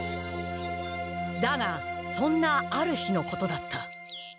だがそんなある日のことだった。